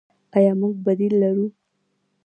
آیا موږ بدیل لرو؟